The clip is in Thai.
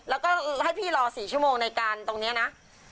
แล้วก็ให้พี่รอ๔ชั่วโมงในการตรงนี้นะ